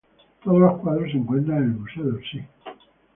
Todos los cuadros se encuentra en el Museo de Orsay.